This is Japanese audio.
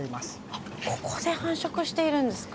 あっここで繁殖しているんですか？